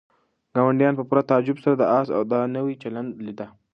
ګاونډیانو په پوره تعجب سره د آس دا نوی چلند لیده.